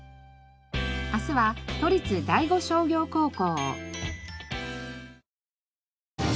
明日は都立第五商業高校。